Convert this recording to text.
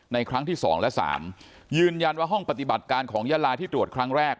ครั้งที่๒และ๓ยืนยันว่าห้องปฏิบัติการของยาลาที่ตรวจครั้งแรก